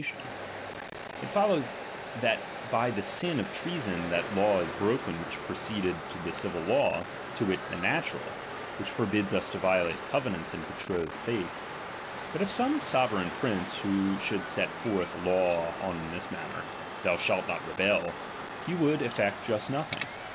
ffatioE ; it follows, that by the sin of treason that '^V is broken which preceded the civil law, to wit, ^tie natural, which forbids us to violate covenants ^Tid betrothed faith. But if some sovereign prince sllould set forth a law on this manner, tho?i shall '■■* cj^ rebef, he would effect just nothing.